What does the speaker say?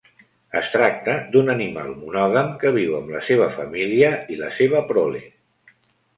Es tracta d'un animal monògam que viu amb la seva família i la seva prole.